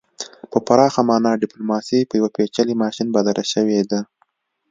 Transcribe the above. په پراخه مانا ډیپلوماسي په یو پیچلي ماشین بدله شوې ده